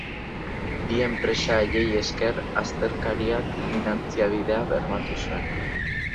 Bi enpresa haiei esker astekariak finantzabidea bermatu zuen.